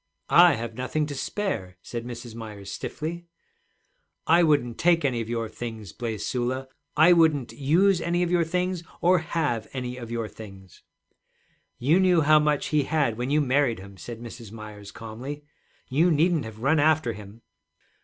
'I have nothing to spare,' said Mrs. Myers stiffly. 'I wouldn't take any of your things,' blazed Sula. 'I wouldn't use any of your things, or have any of your things.' 'You knew how much he had when you married him,' said Mrs. Myers calmly. 'You needn't have run after him.'